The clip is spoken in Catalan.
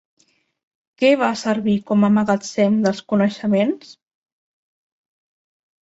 Què va servir com a magatzem dels coneixements?